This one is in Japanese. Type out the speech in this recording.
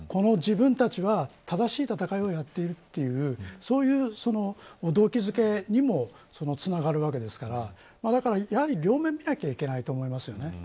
自分たちは正しい戦いをやっているというそういう動機付けにもつながるわけですからだからやはり両面を見なければいけないと思います。